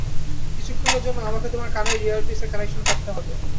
কিছুক্ষণের জন্য আমাকে তোমার কানের ইয়ারপিসের কানেকশন কাটতে হবে।